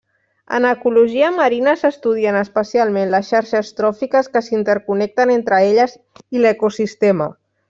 En ecologia marina s'estudien especialment les xarxes tròfiques que s'interconnecten entre elles i l'ecosistema.